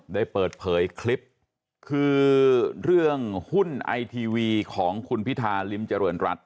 ได้เปิดเผยคลิปคือเรื่องหุ้นไอทีวีของคุณพิธาริมเจริญรัฐ